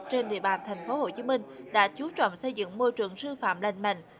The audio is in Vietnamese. trên địa bàn thành phố hồ chí minh đã chú trọng xây dựng môi trường sư phạm lành mạnh